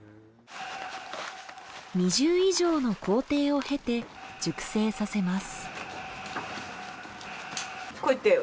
２０以上の工程を経て熟成させます。